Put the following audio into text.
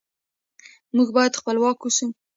موږ باید خپلواک اوسو.